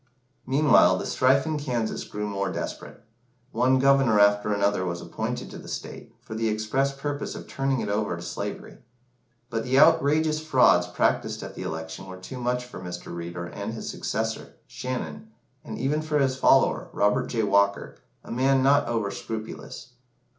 Meanwhile, the strife in Kansas grew more desperate. One Governor after another was appointed to the state, for the express purpose of turning it over to slavery; but the outrageous frauds practised at the election were too much for Mr. Reeder and his successor, Shannon, and even for his follower, Robert J. Walker, a man not over scrupulous.